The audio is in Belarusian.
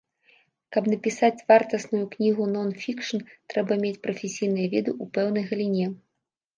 Каб напісаць вартасную кнігу нон-фікшн, трэба мець прафесійныя веды ў пэўнай галіне.